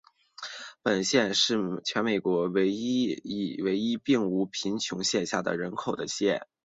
本县是全美国唯一并无贫穷线下人口的县。